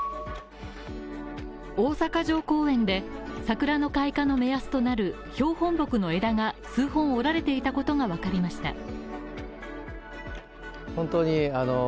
大阪城公園で桜の開花の目安となる標本木の枝が数本、折られていたことが分かりました。